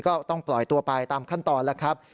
ก็ต้องปล่อยตัวไปตามขั้นตอนแล้วครับ